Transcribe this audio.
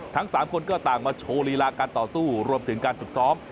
ทั้ง๓คนก็ต่างมาโชว์ลีลาการต่อสู้รวมถึงการฝึกซ้อม